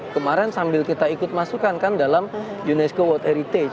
kemarin sambil kita ikut masukan kan dalam unesco world heritage